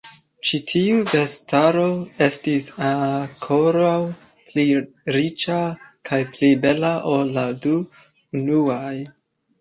Ĉi tiu vestaro estis ankoraŭ pli riĉa kaj pli bela ol la du unuaj.